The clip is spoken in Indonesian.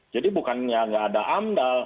jadi bukannya nggak ada amdal